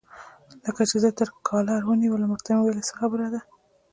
لکه زه چې یې تر کالر ونیولم، ورته مې وویل: څه خبره ده؟